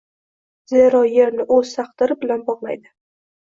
Zero, yerni o‘z taqdiri bilan bog‘laydi.